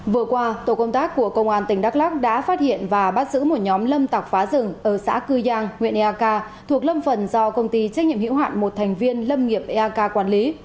vừa qua tổ công tác của công an tỉnh đắk lắc đã phát hiện và bắt giữ một nhóm lâm tặc phá rừng ở xã cư giang huyện eak thuộc lâm phần do công ty trách nhiệm hữu hạn một thành viên lâm nghiệp eak quản lý